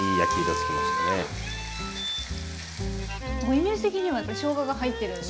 イメージ的にはやっぱりしょうがが入ってるんで。